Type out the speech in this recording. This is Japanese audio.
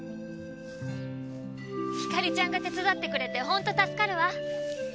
ひかりちゃんが手伝ってくれてホント助かるわ。